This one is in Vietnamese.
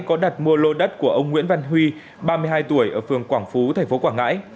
có đặt mua lô đất của ông nguyễn văn huy ba mươi hai tuổi ở phường quảng phú tp quảng ngãi